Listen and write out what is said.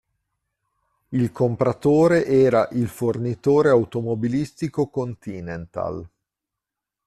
Il compratore era il fornitore automobilistico Continental.